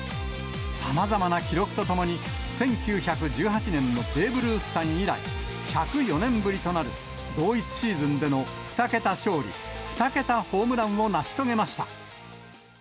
さまざまな記録とともに、１９１８年のベーブ・ルースさん以来、１０４年ぶりとなる、同一シーズンでの２桁勝利、２桁ホームランを成し遂げました。